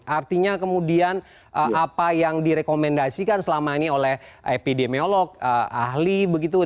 artinya kemudian apa yang direkomendasikan selama ini oleh epidemiolog ahli begitu